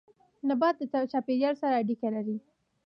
نبات د چاپيريال سره اړيکه لري